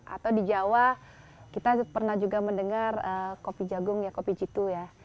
atau di jawa kita pernah juga mendengar kopi jagung ya kopi jitu ya